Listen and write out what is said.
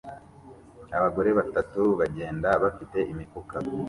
Abagore batatu bagenda bafite imifuka